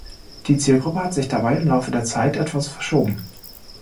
Die Zielgruppe hat sich dabei im Laufe der Zeit etwas verschoben.